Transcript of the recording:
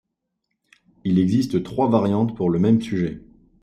Il existe trois variantes pour le même sujet.